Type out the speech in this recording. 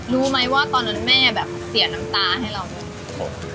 รู้ไหมว่าตอนนั้นแม่แบบเสียน้ำตาให้เราไหม